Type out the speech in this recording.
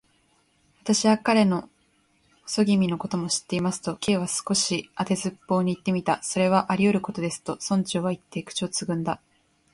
「私は彼の細君のことも知っています」と、Ｋ は少し当てずっぽうにいってみた。「それはありうることです」と、村長はいって、口をつぐんだ。